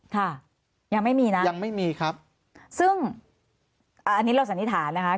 ค่ะยังไม่มีนะซึ่งอันนี้เราสันนิษฐานนะคะ